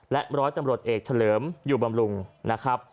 และร้อยตำรวจเอกเฉลิมอยู่บำรุงนะครับ